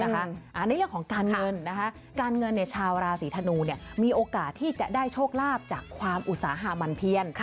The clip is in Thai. ในเรื่องของการเงินการเงินชาวราศีธนูมีโอกาสที่จะได้โชคลาภจากความอุตสาหะมันเพียน